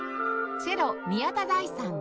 チェロ宮田大さん